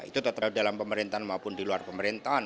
itu tetap dalam pemerintahan maupun di luar pemerintahan